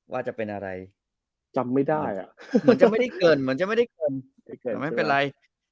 ว่าจะเป็นอะไรจำไม่ได้ล่ะมันจะไม่ได้เกิดมันจะไม่ได้จำเป็นอะไร